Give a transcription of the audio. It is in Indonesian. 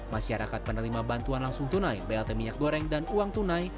masyarakat penerima bantuan langsung tunai blt minyak goreng dan uang tunai